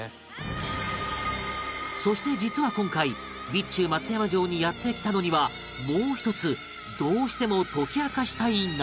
そして実は今回備中松山城にやって来たのにはもう一つどうしても解き明かしたい謎が